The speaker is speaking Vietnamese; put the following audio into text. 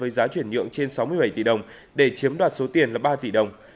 đá chuyển nhượng trên sáu mươi bảy tỷ đồng để chiếm đoạt số tiền là ba tỷ đồng